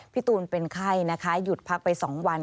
พี่ตูนเป็นไข้นะคะหยุดพักไป๒วัน